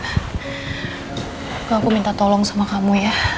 aku minta tolong sama kamu ya